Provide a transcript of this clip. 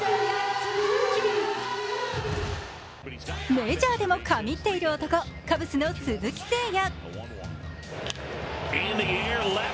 メジャーでも神ってる男、カブスの鈴木誠也。